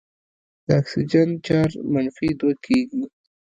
د اکسیجن چارج منفي دوه کیږي.